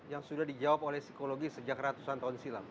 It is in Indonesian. yang sudah dijawab oleh psikologi sejak ratusan tahun silam